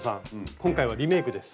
今回はリメイクです。